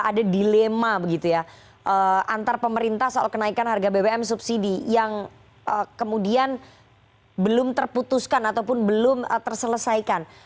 ada dilema begitu ya antar pemerintah soal kenaikan harga bbm subsidi yang kemudian belum terputuskan ataupun belum terselesaikan